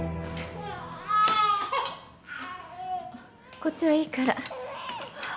こっちはいいから。